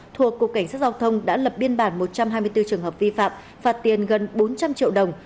thuộc cục cảnh sát giao thông đã lập biên bản một trăm hai mươi bốn trường hợp vi phạm phạt tiền gần bốn trăm linh triệu đồng